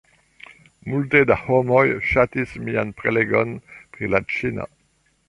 Multe da homoj ŝatis mian prelegon pri la ĉina